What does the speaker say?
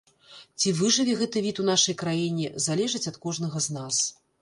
Ці выжыве гэты від у нашай краіне, залежыць ад кожнага з нас.